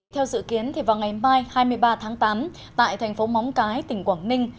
theo dự kiến vào ngày mai hai mươi ba tháng tám tại thành phố móng cái tỉnh quảng ninh